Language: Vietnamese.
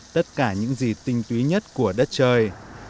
tất cả những gì tinh túy nhất của đất trời